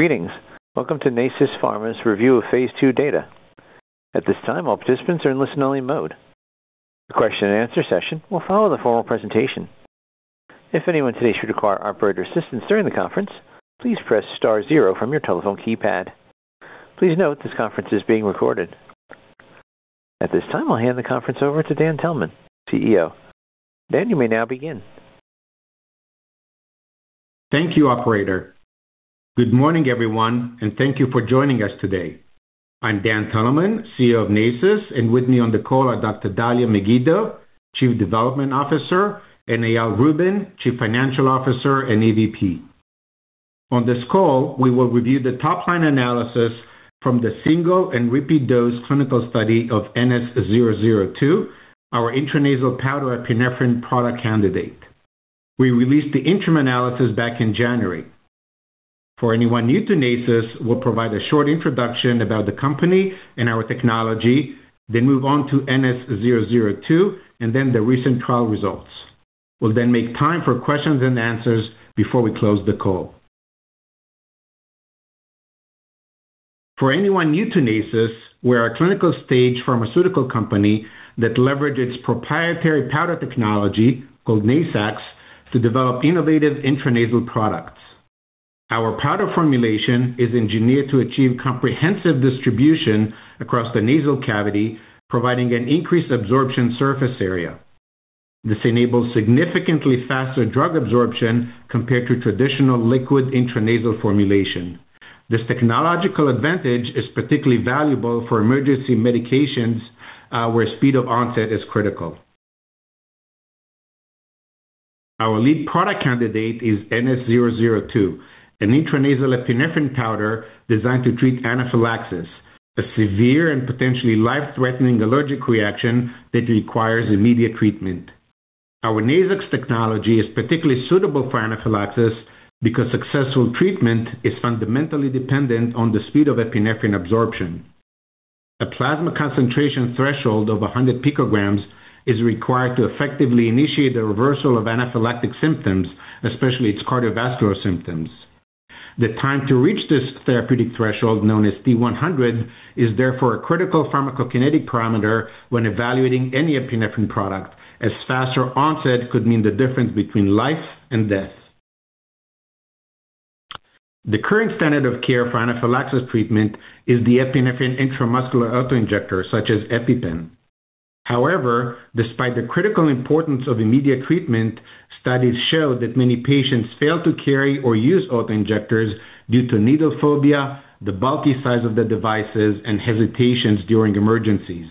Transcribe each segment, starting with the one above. Greetings. Welcome to Nasus Pharma's review of phase II data. At this time, all participants are in listen-only mode. The question and answer session will follow the formal presentation. If anyone today should require operator assistance during the conference, please press star zero from your telephone keypad. Please note this conference is being recorded. At this time, I'll hand the conference over to Dan Teleman, CEO. Dan, you may now begin. Thank you, operator. Good morning, everyone, and thank you for joining us today. I'm Dan Teleman, CEO of Nasus Pharma, and with me on the call are Dr. Dalia Megiddo, Chief Development Officer, and Eyal Rubin, Chief Financial Officer and EVP. On this call, we will review the top-line analysis from the single and repeat dose clinical study of NS002, our intranasal powder epinephrine product candidate. We released the interim analysis back in January. For anyone new to Nasus Pharma, we'll provide a short introduction about the company and our technology, then move on to NS002 and then the recent trial results. We'll then make time for questions and answers before we close the call. For anyone new to Nasus Pharma, we're a clinical stage pharmaceutical company that leverage its proprietary powder technology, called Nasax, to develop innovative intranasal products. Our powder formulation is engineered to achieve comprehensive distribution across the nasal cavity, providing an increased absorption surface area. This enables significantly faster drug absorption compared to traditional liquid intranasal formulation. This technological advantage is particularly valuable for emergency medications, where speed of onset is critical. Our lead product candidate is NS002, an intranasal epinephrine powder designed to treat anaphylaxis, a severe and potentially life-threatening allergic reaction that requires immediate treatment. Our Nasax technology is particularly suitable for anaphylaxis because successful treatment is fundamentally dependent on the speed of epinephrine absorption. A plasma concentration threshold of 100 picograms is required to effectively initiate the reversal of anaphylactic symptoms, especially its cardiovascular symptoms. The time to reach this therapeutic threshold, known as T100, is therefore a critical pharmacokinetic parameter when evaluating any epinephrine product, as faster onset could mean the difference between life and death. The current standard of care for anaphylaxis treatment is the epinephrine intramuscular auto-injector, such as EpiPen. However, despite the critical importance of immediate treatment, studies show that many patients fail to carry or use auto-injectors due to needle phobia, the bulky size of the devices, and hesitations during emergencies.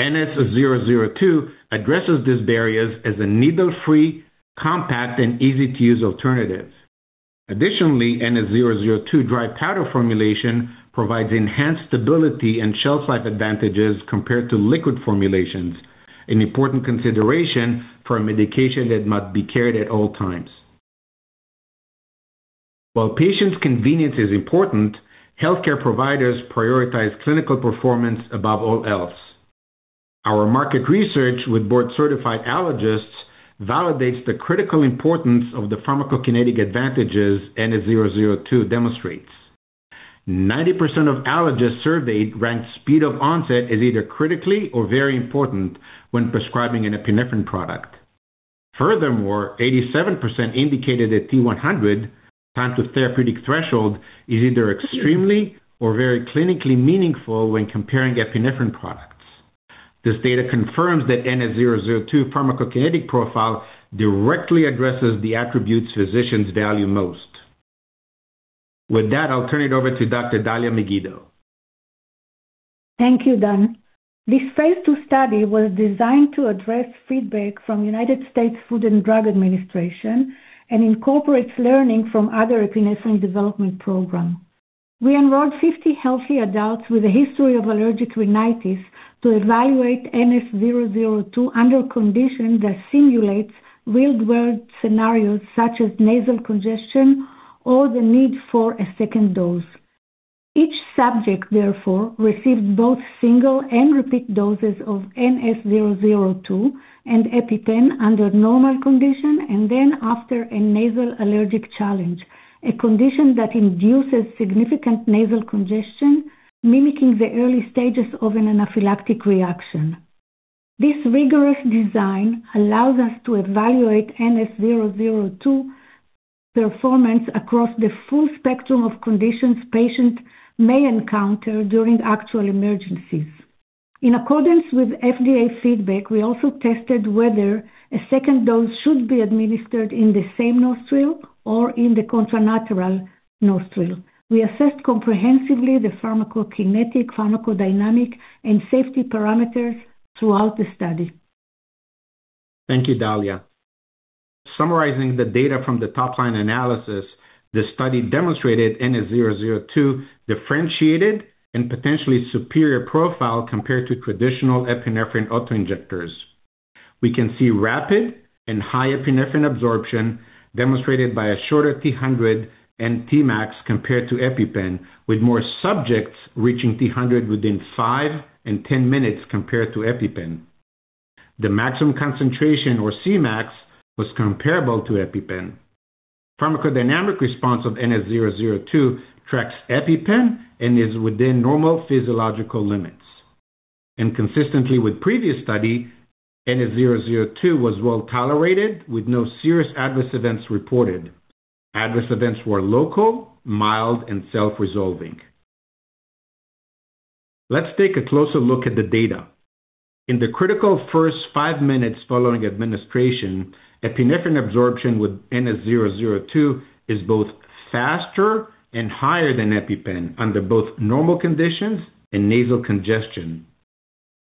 NS002 addresses these barriers as a needle-free, compact, and easy-to-use alternative. Additionally, NS002 dry powder formulation provides enhanced stability and shelf life advantages compared to liquid formulations, an important consideration for a medication that must be carried at all times. While patient convenience is important, healthcare providers prioritize clinical performance above all else. Our market research with board-certified allergists validates the critical importance of the pharmacokinetic advantages NS002 demonstrates. 90% of allergists surveyed ranked speed of onset as either critically or very important when prescribing an epinephrine product. Furthermore, 87% indicated that T100, time to therapeutic threshold, is either extremely or very clinically meaningful when comparing epinephrine products. This data confirms that NS002 pharmacokinetic profile directly addresses the attributes physicians value most. With that, I'll turn it over to Dr. Dalia Megiddo. Thank you, Dan. This phase II study was designed to address feedback from U.S. Food and Drug Administration and incorporates learning from other epinephrine development program. We enrolled 50 healthy adults with a history of allergic rhinitis to evaluate NS002 under conditions that simulates real-world scenarios such as nasal congestion or the need for a second dose. Each subject, therefore, received both single and repeat doses of NS002 and EpiPen under normal condition, and then after a nasal allergen challenge, a condition that induces significant nasal congestion, mimicking the early stages of an anaphylactic reaction. This rigorous design allows us to evaluate NS002 performance across the full spectrum of conditions patients may encounter during actual emergencies. In accordance with FDA feedback, we also tested whether a second dose should be administered in the same nostril or in the contralateral nostril. We assessed comprehensively the pharmacokinetic, pharmacodynamic, and safety parameters throughout the study. Thank you, Dalia. Summarizing the data from the top-line analysis, the study demonstrated NS002 differentiated and potentially superior profile compared to traditional epinephrine auto-injectors. We can see rapid and high epinephrine absorption demonstrated by a shorter T100 and Tmax compared to EpiPen, with more subjects reaching T100 within five and 10 minutes compared to EpiPen. The maximum concentration, or Cmax, was comparable to EpiPen. Pharmacodynamic response of NS002 tracks EpiPen and is within normal physiological limits. Consistently with previous study, NS002 was well-tolerated with no serious adverse events reported. Adverse events were local, mild, and self-resolving. Let's take a closer look at the data. In the critical first five minutes following administration, epinephrine absorption with NS002 is both faster and higher than EpiPen under both normal conditions and nasal congestion.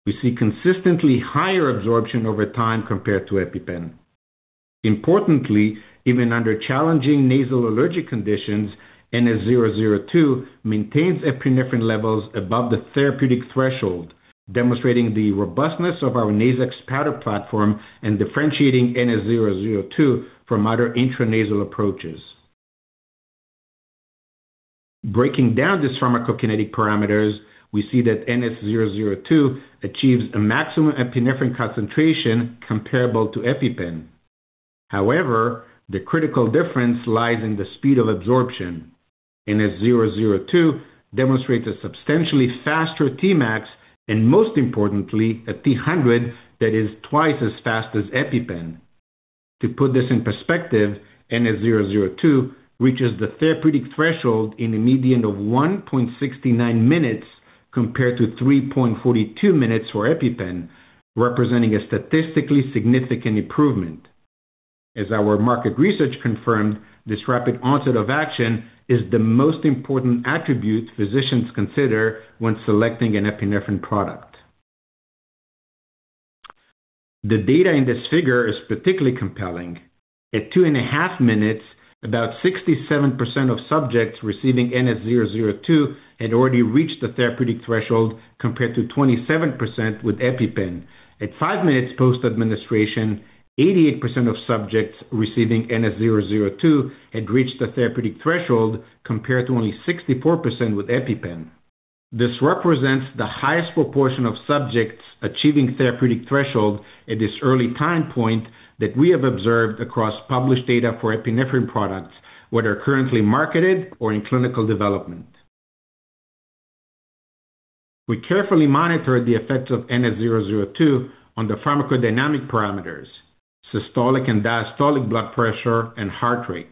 We see consistently higher absorption over time compared to EpiPen. Importantly, even under challenging nasal allergic conditions, NS002 maintains epinephrine levels above the therapeutic threshold, demonstrating the robustness of our Nasax powder platform and differentiating NS002 from other intranasal approaches. Breaking down these pharmacokinetic parameters, we see that NS002 achieves a maximum epinephrine concentration comparable to EpiPen. However, the critical difference lies in the speed of absorption. NS002 demonstrates a substantially faster Tmax, and most importantly, a T100 that is twice as fast as EpiPen. To put this in perspective, NS002 reaches the therapeutic threshold in a median of 1.69 minutes compared to 3.42 minutes for EpiPen, representing a statistically significant improvement. As our market research confirmed, this rapid onset of action is the most important attribute physicians consider when selecting an epinephrine product. The data in this figure is particularly compelling. At 2.5 minutes, about 67% of subjects receiving NS002 had already reached the therapeutic threshold compared to 27% with EpiPen. At 5 minutes post-administration, 88% of subjects receiving NS002 had reached the therapeutic threshold compared to only 64% with EpiPen. This represents the highest proportion of subjects achieving therapeutic threshold at this early time point that we have observed across published data for epinephrine products, whether currently marketed or in clinical development. We carefully monitored the effects of NS002 on the pharmacodynamic parameters, systolic and diastolic blood pressure, and heart rate.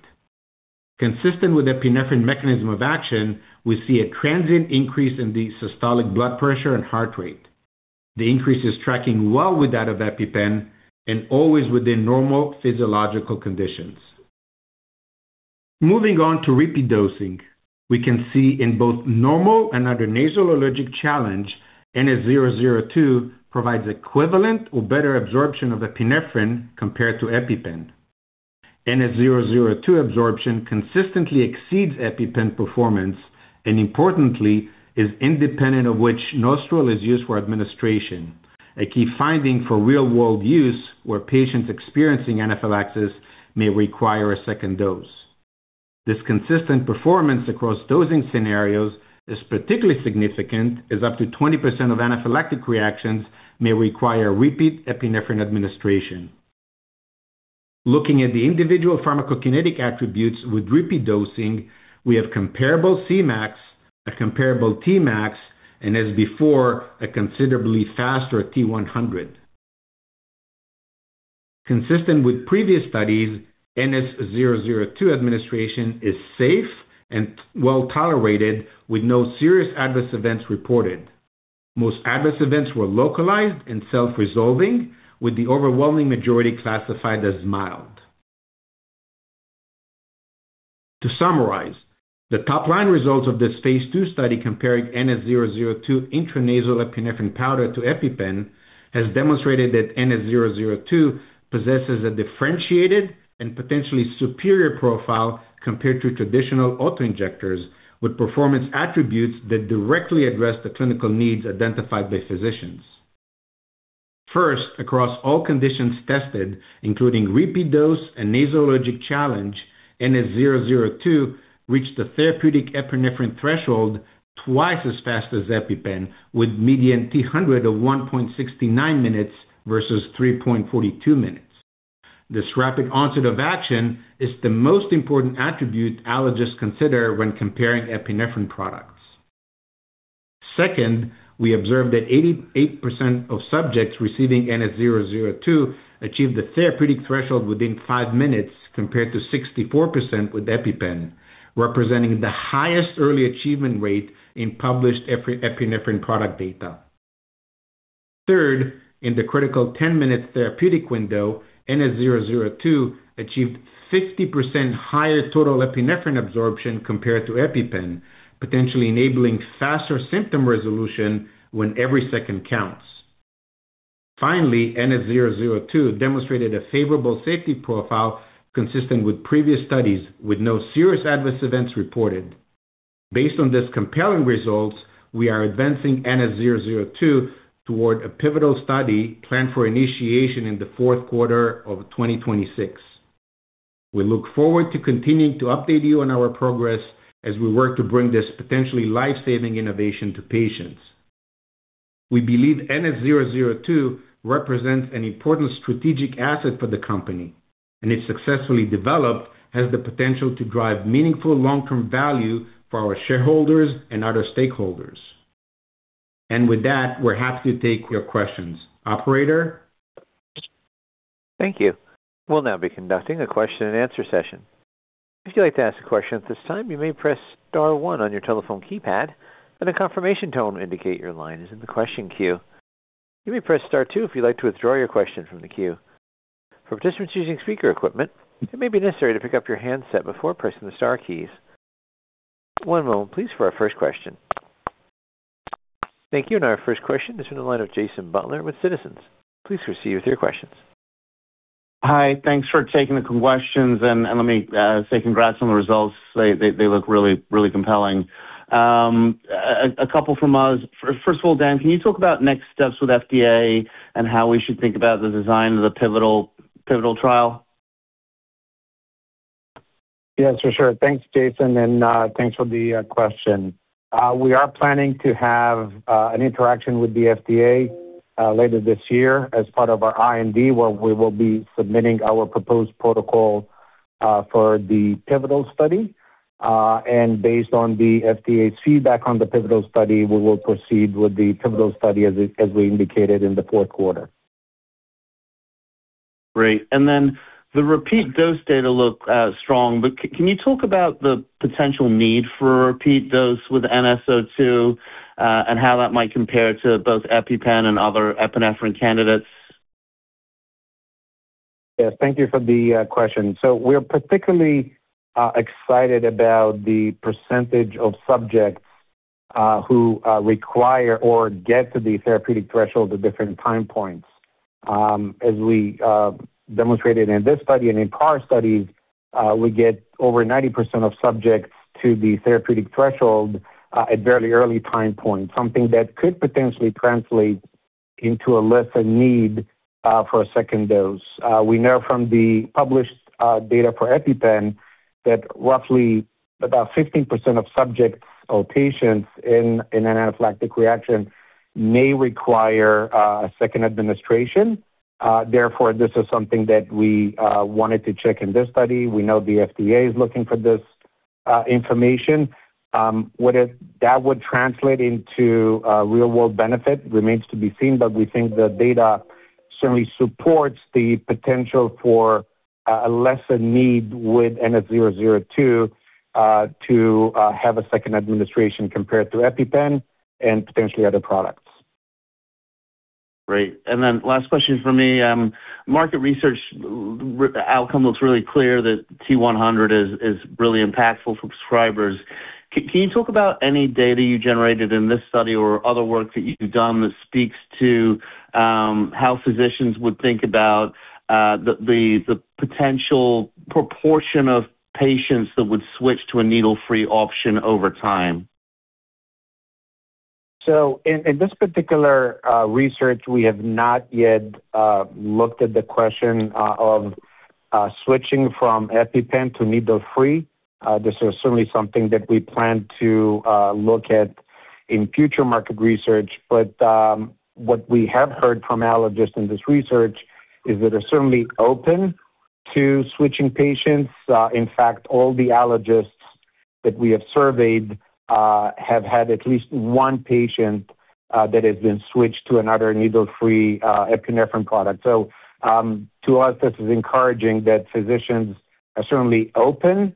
Consistent with epinephrine mechanism of action, we see a transient increase in the systolic blood pressure and heart rate. The increase is tracking well with that of EpiPen and always within normal physiological conditions. Moving on to repeat dosing, we can see in both normal and under nasal allergen challenge, NS002 provides equivalent or better absorption of epinephrine compared to EpiPen. NS002 absorption consistently exceeds EpiPen performance and importantly is independent of which nostril is used for administration, a key finding for real-world use where patients experiencing anaphylaxis may require a second dose. This consistent performance across dosing scenarios is particularly significant as up to 20% of anaphylactic reactions may require repeat epinephrine administration. Looking at the individual pharmacokinetic attributes with repeat dosing, we have comparable Cmax, a comparable Tmax, and as before, a considerably faster T100. Consistent with previous studies, NS002 administration is safe and well-tolerated with no serious adverse events reported. Most adverse events were localized and self-resolving, with the overwhelming majority classified as mild. To summarize, the top-line results of this phase 2 study comparing NS002 intranasal epinephrine powder to EpiPen has demonstrated that NS002 possesses a differentiated and potentially superior profile compared to traditional autoinjectors, with performance attributes that directly address the clinical needs identified by physicians. First, across all conditions tested, including repeat dose and nasal allergen challenge, NS002 reached the therapeutic epinephrine threshold twice as fast as EpiPen, with median T100 of 1.69 minutes versus 3.42 minutes. This rapid onset of action is the most important attribute allergists consider when comparing epinephrine products. Second, we observed that 88% of subjects receiving NS002 achieved the therapeutic threshold within five minutes compared to 64% with EpiPen, representing the highest early achievement rate in published epinephrine product data. Third, in the critical 10-minute therapeutic window, NS002 achieved 60% higher total epinephrine absorption compared to EpiPen, potentially enabling faster symptom resolution when every second counts. Finally, NS002 demonstrated a favorable safety profile consistent with previous studies, with no serious adverse events reported. Based on these compelling results, we are advancing NS002 toward a pivotal study planned for initiation in the fourth quarter of 2026. We look forward to continuing to update you on our progress as we work to bring this potentially life-saving innovation to patients. We believe NS002 represents an important strategic asset for the company, and if successfully developed, has the potential to drive meaningful long-term value for our shareholders and other stakeholders. With that, we're happy to take your questions. Operator? Thank you. We'll now be conducting a question-and-answer session. If you'd like to ask a question at this time, you may press star one on your telephone keypad and a confirmation tone will indicate your line is in the question queue. You may press star two if you'd like to withdraw your question from the queue. For participants using speaker equipment, it may be necessary to pick up your handset before pressing the star keys. One moment please for our first question. Thank you. Our first question is from the line of Jason Butler with Citizens JMP. Please proceed with your questions. Hi. Thanks for taking the questions, and let me say congrats on the results. They look really compelling. A couple from us. First of all, Dan, can you talk about next steps with FDA and how we should think about the design of the pivotal trial? Yes, for sure. Thanks, Jason, and thanks for the question. We are planning to have an interaction with the FDA later this year as part of our IND, where we will be submitting our proposed protocol for the pivotal study. Based on the FDA's feedback on the pivotal study, we will proceed with the pivotal study as we indicated in the fourth quarter. Great. The repeat dose data look strong, but can you talk about the potential need for a repeat dose with NS002, and how that might compare to both EpiPen and other epinephrine candidates? Yes, thank you for the question. We're particularly excited about the percentage of subjects who require or get to the therapeutic threshold at different time points. As we demonstrated in this study and in prior studies, we get over 90% of subjects to the therapeutic threshold at very early time point, something that could potentially translate into a lesser need for a second dose. We know from the published data for EpiPen that roughly about 15% of subjects or patients in an anaphylactic reaction may require a second administration. Therefore, this is something that we wanted to check in this study. We know the FDA is looking for this information. Whether that would translate into real world benefit remains to be seen. We think the data certainly supports the potential for a lesser need with NS002 to have a second administration compared to EpiPen and potentially other products. Great. Last question from me. Market research outcome looks really clear that T100 is really impactful for prescribers. Can you talk about any data you generated in this study or other work that you've done that speaks to how physicians would think about the potential proportion of patients that would switch to a needle-free option over time? In this particular research, we have not yet looked at the question of switching from EpiPen to needle-free. This is certainly something that we plan to look at in future market research. What we have heard from allergists in this research is that they're certainly open to switching patients. In fact, all the allergists that we have surveyed have had at least one patient that has been switched to another needle-free epinephrine product. To us, this is encouraging that physicians are certainly open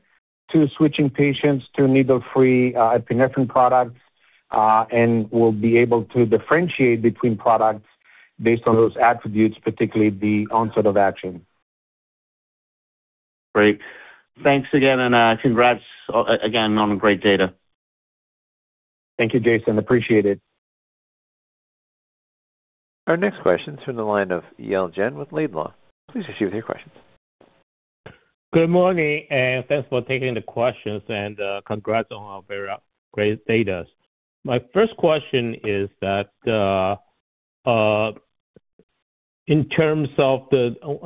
to switching patients to needle-free epinephrine products and will be able to differentiate between products based on those attributes, particularly the onset of action. Great. Thanks again and congrats again on great data. Thank you, Jason. Appreciate it. Our next question is from the line of Yale Jen with Laidlaw. Please proceed with your questions. Good morning and thanks for taking the questions and, congrats on all your great data. My first question is that, As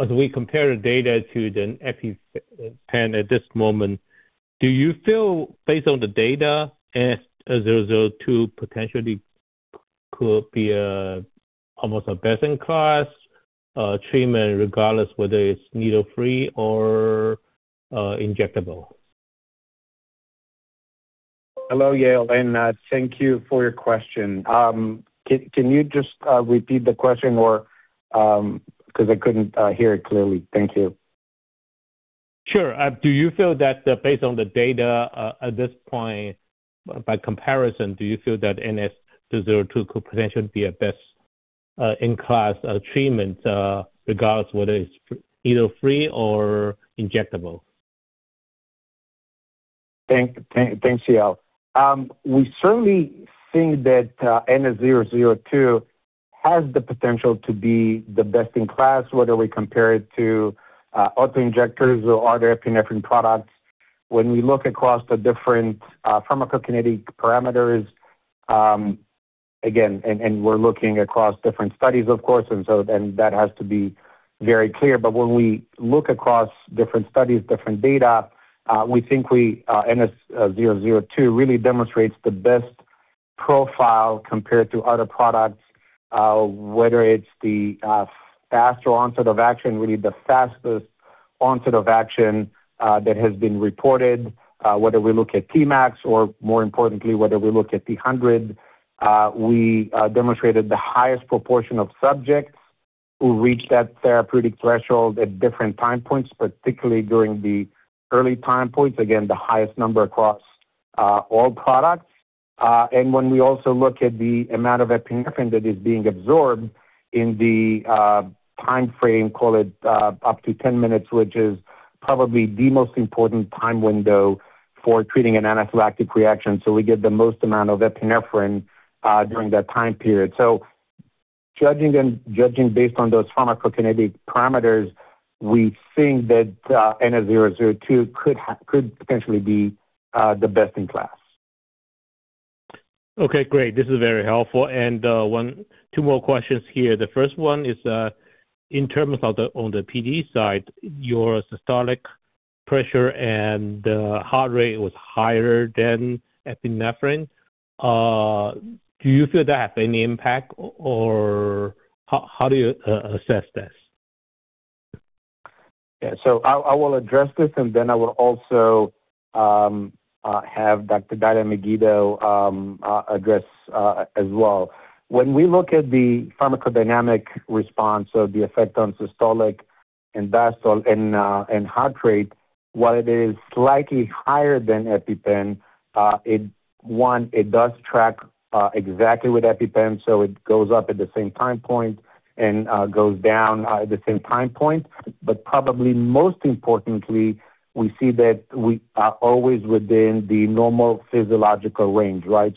we compare the data to the EpiPen at this moment, do you feel based on the data NS002 potentially could be, almost a best-in-class, treatment regardless whether it's needle-free or, injectable? Hello, Yale, and thank you for your question. Can you just repeat the question or 'cause I couldn't hear it clearly? Thank you. Sure. Do you feel that based on the data, at this point, by comparison, do you feel that NS002 could potentially be a best in class treatment, regardless whether it's needle-free or injectable? Thanks, Yale. We certainly think that NS002 has the potential to be the best in class, whether we compare it to auto-injectors or other epinephrine products. When we look across the different pharmacokinetic parameters, we're looking across different studies, of course, and so then that has to be very clear. When we look across different studies, different data, we think NS002 really demonstrates the best profile compared to other products, whether it's the faster onset of action, really the fastest onset of action that has been reported. Whether we look at Cmax or, more importantly, whether we look at 300, we demonstrated the highest proportion of subjects who reached that therapeutic threshold at different time points, particularly during the early time points, again, the highest number across all products. When we also look at the amount of epinephrine that is being absorbed in the timeframe, call it, up to 10 minutes, which is probably the most important time window for treating an anaphylactic reaction, we get the most amount of epinephrine during that time period. Judging based on those pharmacokinetic parameters, we think that NS002 could potentially be the best in class. Okay, great. This is very helpful. One, two more questions here. The first one is, in terms of the, on the PD side, your systolic pressure and the heart rate was higher than epinephrine. Do you feel that have any impact or how do you assess this? Yeah. I will address this, and then I will also have Dr. Dalia Megiddo address as well. When we look at the pharmacodynamic response of the effect on systolic and diastolic and heart rate, while it is slightly higher than EpiPen, it does track exactly with EpiPen, so it goes up at the same time point and goes down at the same time point. Probably most importantly, we see that we are always within the normal physiological range, right?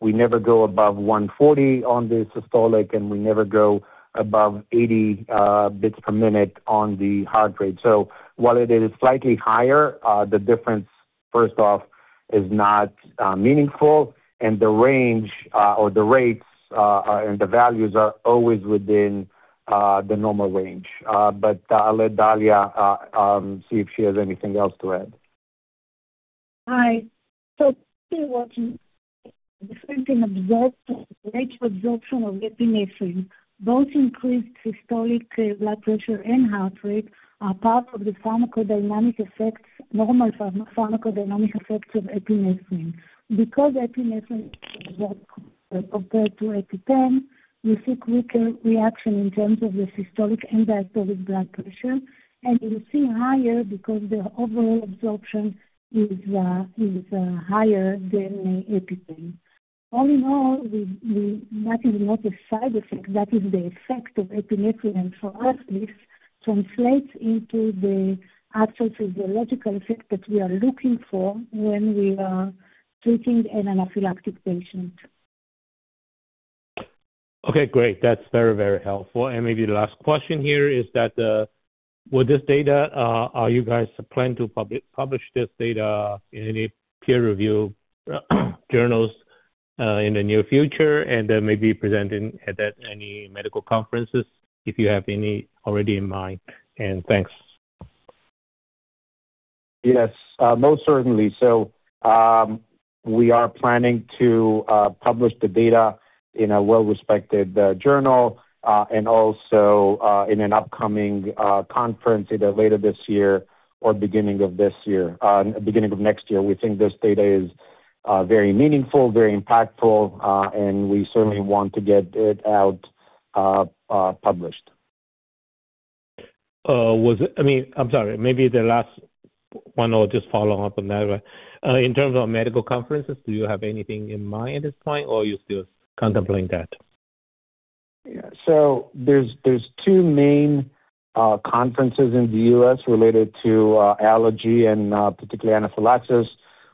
We never go above 140 on the systolic, and we never go above 80 beats per minute on the heart rate. While it is slightly higher, the difference, first off, is not meaningful and the range, or the rates, and the values are always within the normal range. I'll let Dalia see if she has anything else to add. Hi. Absorption, rate of absorption of epinephrine, both increased systolic blood pressure and heart rate are part of the pharmacodynamic effects, normal pharmacodynamic effects of epinephrine. Because epinephrine compared to EpiPen, we see quicker reaction in terms of the systolic and diastolic blood pressure, and we see higher because the overall absorption is higher than the EpiPen. All in all, that is not a side effect. That is the effect of epinephrine. For us, this translates into the actual physiological effect that we are looking for when we are treating an anaphylactic patient. Okay, great. That's very, very helpful. Maybe the last question here is that, will this data, are you guys planning to publish this data in any peer review journals in the near future and then maybe presenting at any medical conferences, if you have any already in mind? Thanks. Yes, most certainly. We are planning to publish the data in a well-respected journal, and also in an upcoming conference either later this year or beginning of next year. We think this data is very meaningful, very impactful, and we certainly want to get it out, published. I mean, I'm sorry. Maybe the last one or just follow up on that. In terms of medical conferences, do you have anything in mind at this point, or are you still contemplating that? Yeah. There's two main conferences in the U.S. related to allergy and particularly anaphylaxis.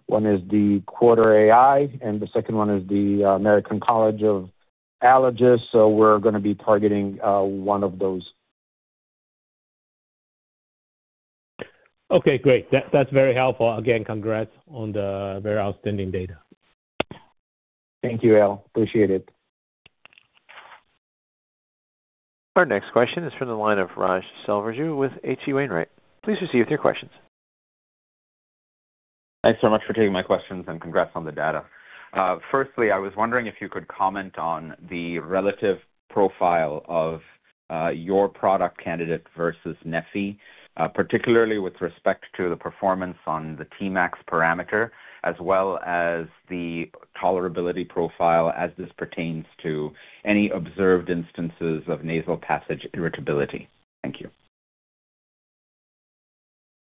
One is the ACAAI, and the second one is the American College of Allergy, Asthma & Immunology. We're gonna be targeting one of those. Okay, great. That's very helpful. Again, congrats on the very outstanding data. Thank you, Yale. Appreciate it. Our next question is from the line of Raghuram Selvaraju with H.C. Wainwright & Co. Please proceed with your questions. Thanks so much for taking my questions, and congrats on the data. Firstly, I was wondering if you could comment on the relative profile of your product candidate versus Neffy, particularly with respect to the performance on the Tmax parameter as well as the tolerability profile as this pertains to any observed instances of nasal passage irritability. Thank you.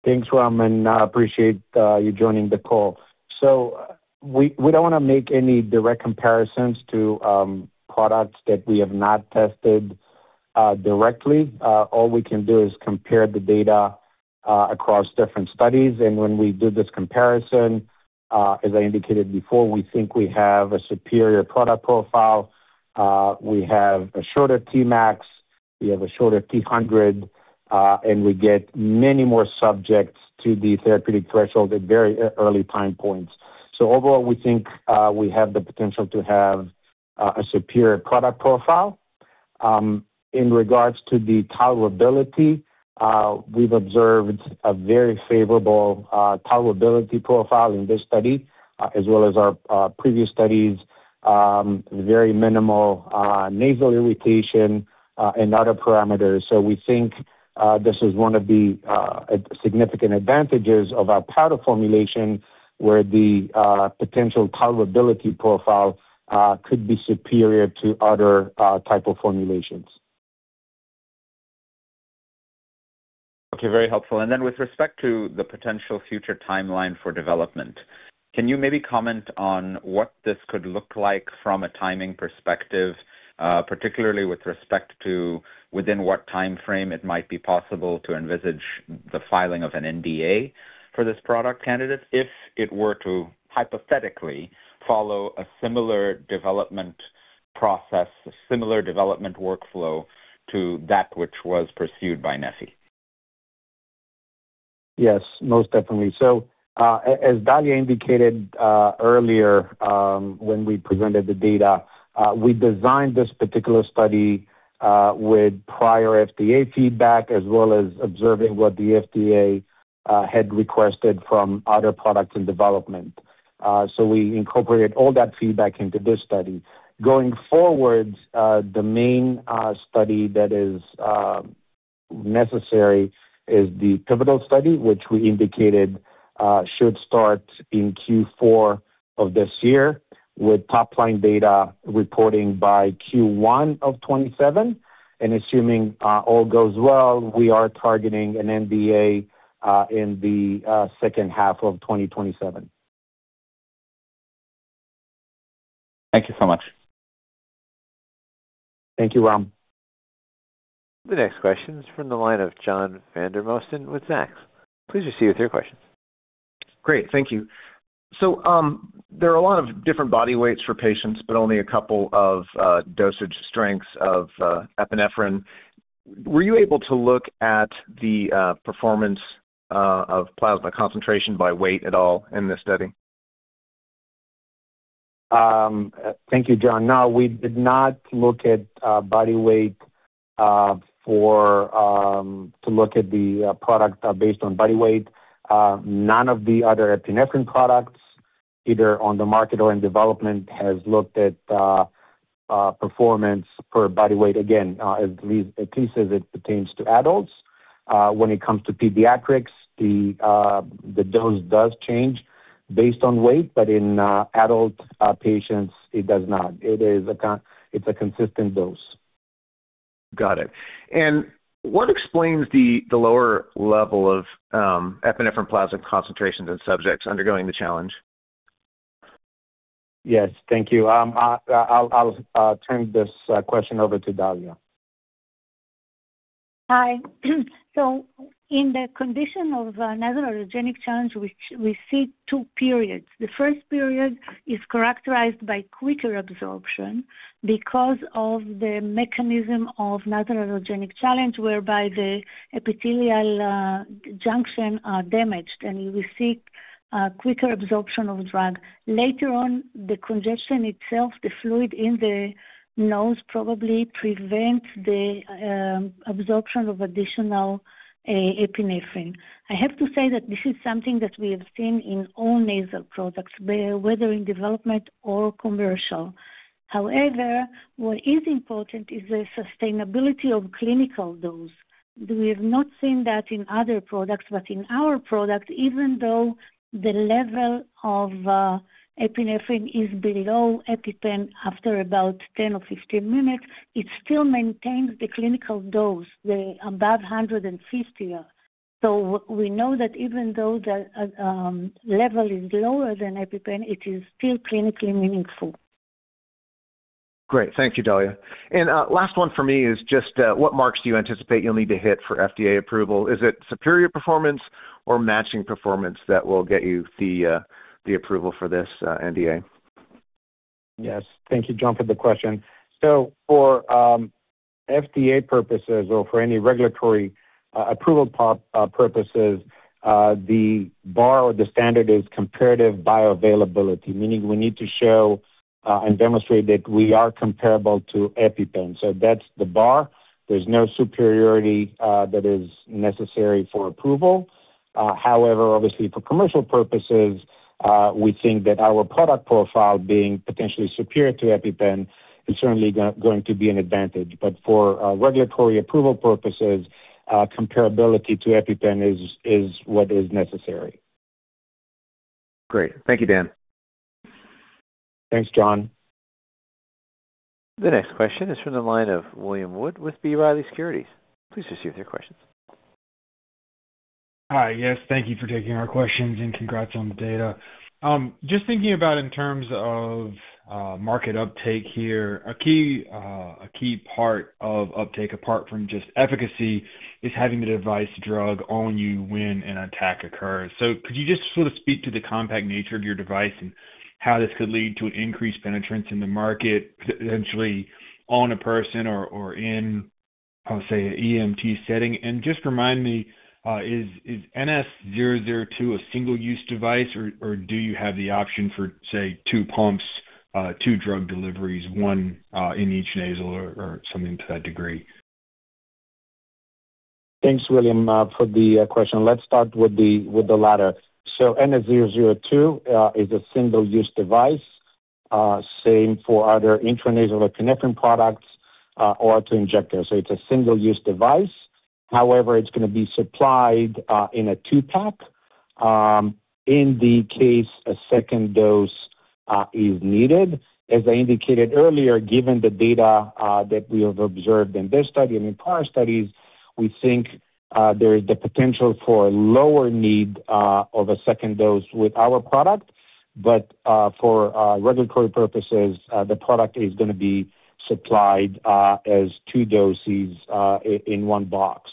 Thanks, Ram, and I appreciate you joining the call. We don't wanna make any direct comparisons to products that we have not tested directly. All we can do is compare the data across different studies. When we did this comparison, as I indicated before, we think we have a superior product profile. We have a shorter Tmax. We have a shorter T100, and we get many more subjects to the therapeutic threshold at very early time points. Overall, we think we have the potential to have a superior product profile. In regards to the tolerability, we've observed a very favorable tolerability profile in this study, as well as our previous studies, very minimal nasal irritation, and other parameters. We think this is one of the significant advantages of our powder formulation, where the potential tolerability profile could be superior to other type of formulations. Okay. Very helpful. With respect to the potential future timeline for development, can you maybe comment on what this could look like from a timing perspective, particularly with respect to within what time frame it might be possible to envisage the filing of an NDA for this product candidate if it were to hypothetically follow a similar development process, a similar development workflow to that which was pursued by Neffy? Yes, most definitely. As Dalia indicated earlier, when we presented the data, we designed this particular study with prior FDA feedback, as well as observing what the FDA had requested from other products in development. We incorporated all that feedback into this study. Going forward, the main study that is necessary is the pivotal study, which we indicated should start in Q4 of this year with top line data reporting by Q1 of 2027. Assuming all goes well, we are targeting an NDA in the second half of 2027. Thank you so much. Thank you, Ram. The next question is from the line of John Vandermosten with Zacks. Please proceed with your question. Great. Thank you. There are a lot of different body weights for patients, but only a couple of dosage strengths of epinephrine. Were you able to look at the performance of plasma concentration by weight at all in this study? Thank you, John. No, we did not look at body weight for to look at the product based on body weight. None of the other epinephrine products, either on the market or in development, has looked at performance per body weight. Again, at least as it pertains to adults. When it comes to pediatrics, the dose does change based on weight, but in adult patients, it does not. It's a consistent dose. Got it. What explains the lower level of epinephrine plasma concentrations in subjects undergoing the challenge? Yes. Thank you. I'll turn this question over to Dalia. Hi. In the condition of nasal allergen challenge, we see two periods. The first period is characterized by quicker absorption because of the mechanism of nasal allergen challenge, whereby the epithelial junction are damaged, and we see a quicker absorption of drug. Later on, the congestion itself, the fluid in the nose probably prevents the absorption of additional epinephrine. I have to say that this is something that we have seen in all nasal products, whether in development or commercial. However, what is important is the sustainability of clinical dose. We have not seen that in other products, but in our product, even though the level of epinephrine is below EpiPen after about 10 or 15 minutes, it still maintains the clinical dose, the above 150. We know that even though the level is lower than EpiPen, it is still clinically meaningful. Great. Thank you, Dalia. Last one for me is just what marks do you anticipate you'll need to hit for FDA approval? Is it superior performance or matching performance that will get you the approval for this NDA? Yes. Thank you, John, for the question. For FDA purposes or for any regulatory approval purposes, the bar or the standard is comparative bioavailability, meaning we need to show and demonstrate that we are comparable to EpiPen. That's the bar. There's no superiority that is necessary for approval. However, obviously for commercial purposes, we think that our product profile being potentially superior to EpiPen is certainly going to be an advantage. For regulatory approval purposes, comparability to EpiPen is what is necessary. Great. Thank you, Dan. Thanks, John. The next question is from the line of William Wood with B. Riley Securities. Please proceed with your questions. Hi. Yes, thank you for taking our questions, and congrats on the data. Just thinking about in terms of market uptake here. A key part of uptake, apart from just efficacy, is having the device drug on you when an attack occurs. Could you just sort of speak to the compact nature of your device and how this could lead to an increased penetrance in the market, potentially on a person or in, I'll say, EMT setting. Just remind me, is NS002 a single-use device or do you have the option for, say, two pumps, two drug deliveries, one in each nostril or something to that degree? Thanks, William, for the question. Let's start with the latter. NS002 is a single-use device. Same for other intranasal epinephrine products or two injectors. It's a single-use device. However, it's gonna be supplied in a two-pack, in the case a second dose is needed. As I indicated earlier, given the data that we have observed in this study and in prior studies, we think there is the potential for lower need of a second dose with our product. For regulatory purposes, the product is gonna be supplied as two doses in one box.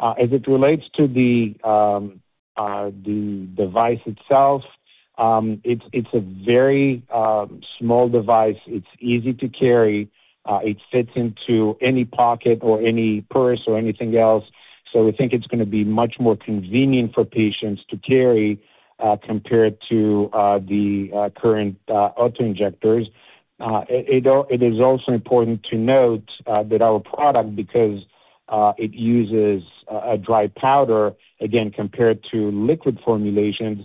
As it relates to the device itself, it's a very small device. It's easy to carry. It fits into any pocket or any purse or anything else. We think it's gonna be much more convenient for patients to carry compared to the current auto-injectors. It is also important to note that our product, because it uses a dry powder, again, compared to liquid formulations,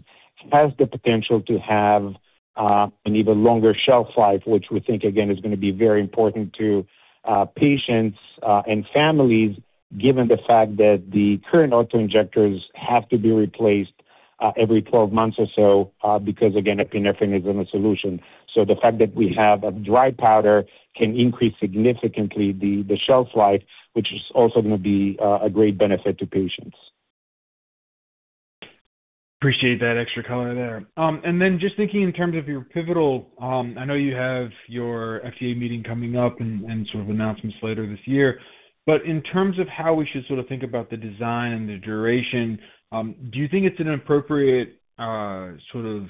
has the potential to have an even longer shelf life, which we think, again, is gonna be very important to patients and families, given the fact that the current auto-injectors have to be replaced every 12 months or so because again, epinephrine is in a solution. The fact that we have a dry powder can increase significantly the shelf life, which is also gonna be a great benefit to patients. Appreciate that extra color there. Then just thinking in terms of your pivotal, I know you have your FDA meeting coming up and sort of announcements later this year. In terms of how we should sort of think about the design and the duration, do you think it's an appropriate sort of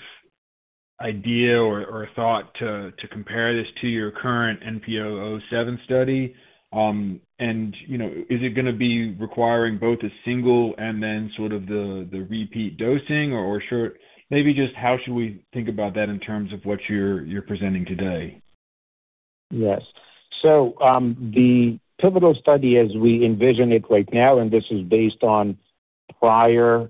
idea or thought to compare this to your current NP 007 study? You know, is it gonna be requiring both a single, and then sort of the repeat dosing or Maybe just how should we think about that in terms of what you're presenting today? Yes. The pivotal study as we envision it right now, and this is based on prior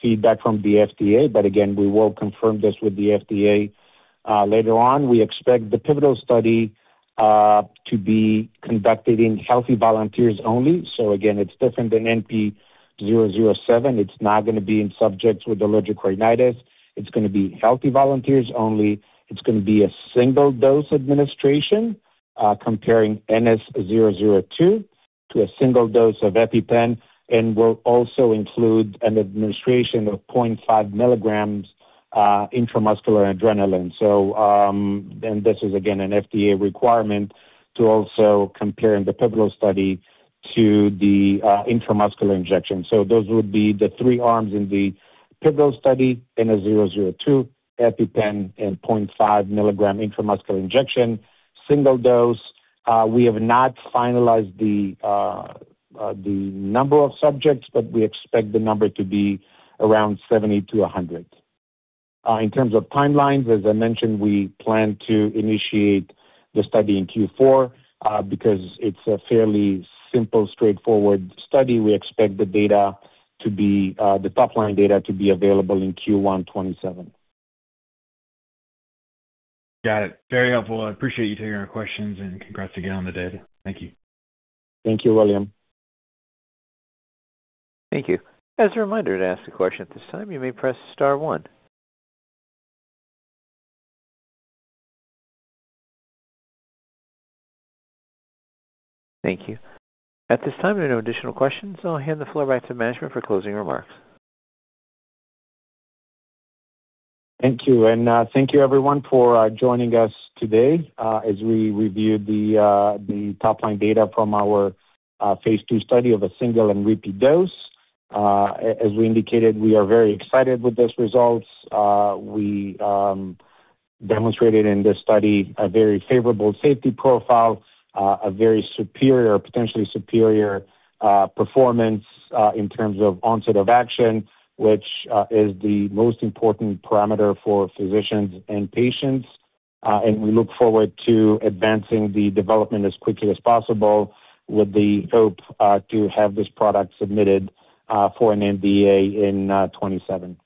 feedback from the FDA, but again, we will confirm this with the FDA later on. We expect the pivotal study to be conducted in healthy volunteers only. Again, it's different than NP007. It's not gonna be in subjects with allergic rhinitis. It's gonna be healthy volunteers only. It's gonna be a single-dose administration comparing NS002 to a single dose of EpiPen, and will also include an administration of 0.5 milligrams intramuscular adrenaline. And this is again an FDA requirement to also compare in the pivotal study to the intramuscular injection. Those would be the three arms in the pivotal study, NS002, EpiPen, and 0.5 mg intramuscular injection, single dose. We have not finalized the number of subjects, but we expect the number to be around 70-100. In terms of timelines, as I mentioned, we plan to initiate the study in Q4. Because it's a fairly simple, straightforward study, we expect the top-line data to be available in Q1 2027. Got it. Very helpful. I appreciate you taking our questions and congrats again on the data. Thank you. Thank you, William. Thank you. As a reminder to ask a question at this time, you may press star one. Thank you. At this time, there are no additional questions. I'll hand the floor back to management for closing remarks. Thank you. Thank you everyone for joining us today, as we review the top-line data from our phase II study of a single and repeat dose. As we indicated, we are very excited with these results. We demonstrated in this study a very favorable safety profile, a very superior, potentially superior, performance in terms of onset of action, which is the most important parameter for physicians and patients. We look forward to advancing the development as quickly as possible with the hope to have this product submitted for an NDA in 2027.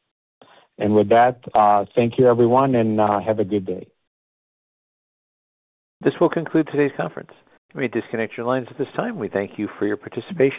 With that, thank you everyone, and have a good day. This will conclude today's conference. You may disconnect your lines at this time. We thank you for your participation.